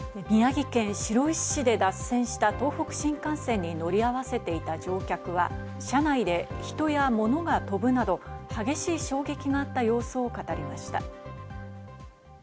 宮城県白石市で脱線した東北新幹線に乗り合わせていた乗客は、車内で人や物が飛ぶなど、激しい衝撃があった様子を語りました。